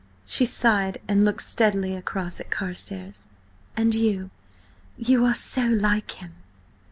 She sighed and looked steadily across at Carstares. "And you–you are so like him!"